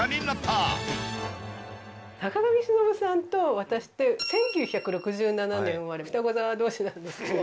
坂上忍さんと私って１９６７年生まれ双子座同士なんですけど。